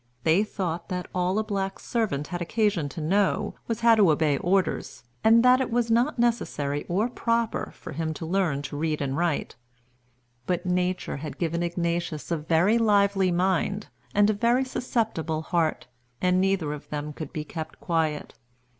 They thought that all a black servant had occasion to know was how to obey orders, and that it was not necessary or proper for him to learn to read and write. But nature had given Ignatius a very lively mind, and a very susceptible heart, and neither of them could be kept quiet.